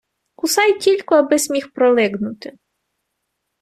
Кусай тілько, аби-с міг пролиґнути.